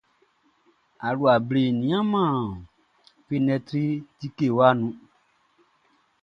Alua ble nian fenɛtri tikewa nu.